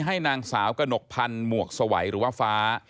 ให้นางสาวกระหนกพันธ์หมวกสวัยหรือว่าฟ้า